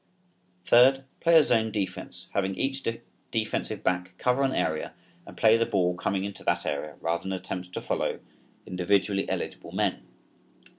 Third, play a zone defense having each defensive back cover an area and play the ball coming into that area rather than attempt to follow individually eligible men.